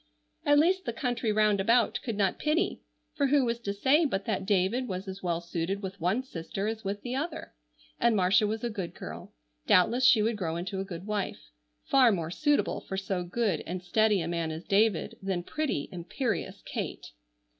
At least the country round about could not pity, for who was to say but that David was as well suited with one sister as with the other? And Marcia was a good girl; doubtless she would grow into a good wife. Far more suitable for so good and steady a man as David than pretty, imperious Kate.